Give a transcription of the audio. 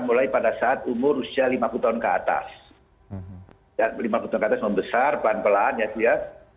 mulai pada saat umur usia lima puluh tahun ke atas dan berlaku terbesar bahan pelan ya dia